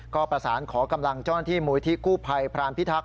ก็ประสานขอกำลังเจ้าหน้าที่มูลที่กู้ภัยพรานพิทักษ